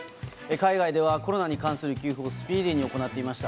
海外ではコロナに関する給付をスピーディーに行っていました。